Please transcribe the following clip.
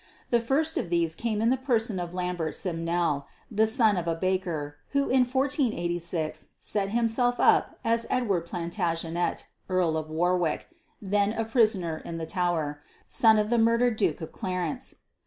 The first of these came in the person of Lambert Simnel, the son of a baker, who in 1486 set himself up as Edward Plantagenet, Earl of Warwick then a prisoner in the Tower son of the murdered Duke of Clarence.